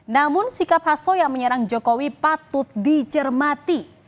namun sikap hasto yang menyerang jokowi patut dicermati